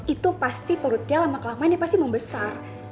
itu pasti perutnya lama kelamanya pasti membesar